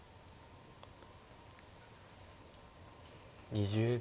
２０秒。